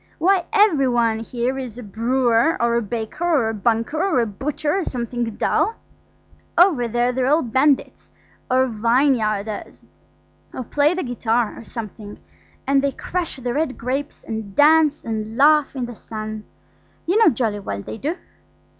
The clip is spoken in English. Why, every one here is a brewer, or a baker, or a banker, or a butcher, or something dull. Over there they're all bandits, or vineyardiners, or play the guitar, or something, and they crush the red grapes and dance and laugh in the sun–you know jolly well they do."